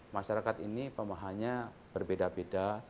masyarakat ini pemahamannya berbeda beda